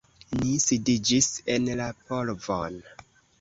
Ni sidiĝis en la polvon.